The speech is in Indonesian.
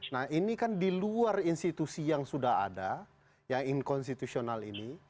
nah ini kan di luar institusi yang sudah ada yang inkonstitusional ini